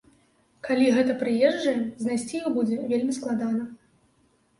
Калі гэта прыезджыя, знайсці іх будзе вельмі складана.